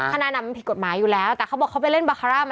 พนันอำมันผิดกฎหมายอยู่แล้วแต่เขาบอกไปเล่นบาขาระ